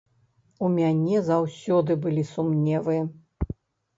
У мяне заўсёды былі сумневы.